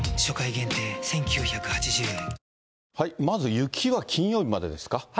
まず雪は金曜日までですか。